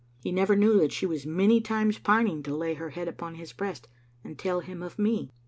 He never knew that she was many times pining to lay her head upon his breast and tell him of me.